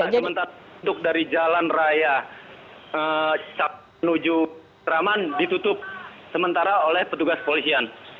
sementara dari jalan raya sampai menuju raman ditutup sementara oleh petugas polisian